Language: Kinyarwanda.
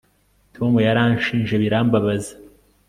tom yaranshinje birambabaza